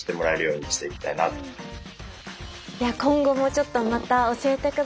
今後もちょっとまた教えてください。